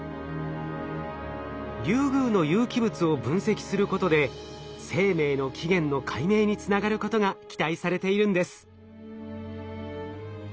リュウグウの有機物を分析することで生命の起源の解明につながることが期待されているんです。